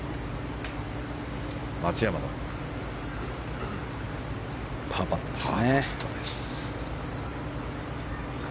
松山のパーパットです。